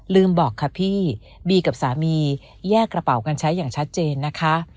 บอกค่ะพี่บีกับสามีแยกกระเป๋ากันใช้อย่างชัดเจนนะคะ